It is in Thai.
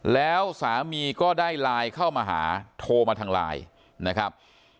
แล้วสามีก็ได้ไลน์เข้ามาหาโทรมาทางไลน์นะครับ